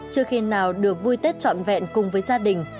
chưa khi nào được vui tết trọn vẹn cùng với gia đình